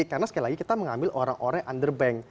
karena sekali lagi kita mengambil orang orang yang underbank